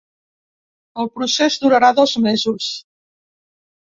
El procés durarà dos mesos.